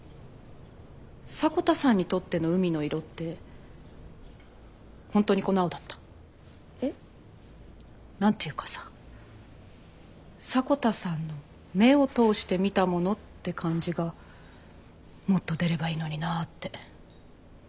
迫田さんにとっての海の色って本当にこの青だった？えっ？なんて言うかさ迫田さんの目を通して見たものって感じがもっと出ればいいのになって。